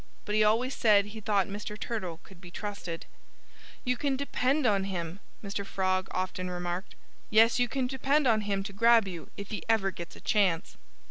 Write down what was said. But he always said he thought Mr. Turtle could be trusted. "You can depend on him," Mr. Frog often remarked. "Yes, you can depend on him to grab you if he ever gets a chance."